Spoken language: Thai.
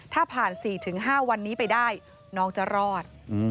ถ้าผ่าน๔๕วันนี้ไปได้น้องจะรอด